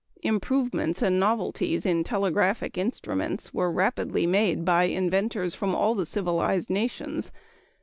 Improvements and novelties in telegraphic instruments were rapidly made by inventors from all the civilized nations e.